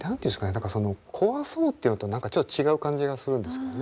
何かその壊そうっていうのと何かちょっと違う感じがするんですけどね。